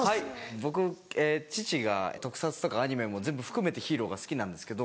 僕父が特撮とかアニメも全部含めてヒーローが好きなんですけど。